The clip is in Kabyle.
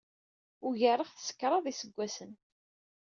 Ugareɣ-t s kraḍ n yiseggasen.